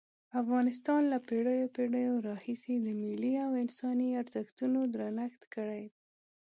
افغانستان له پېړیو پېړیو راهیسې د ملي او انساني ارزښتونو درنښت کړی.